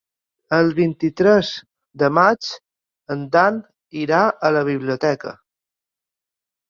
El vint-i-tres de maig en Dan irà a la biblioteca.